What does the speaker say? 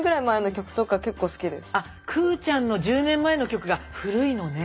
くぅちゃんの１０年前の曲が古いのね。